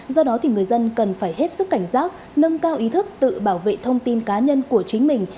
do đó thì người dân cần phải hết sức cảnh giác nâng cao ý thức tự bảo vệ thông tin cá nhân của chính mình